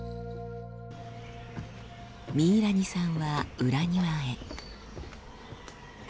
ミイラニさんは裏庭へ。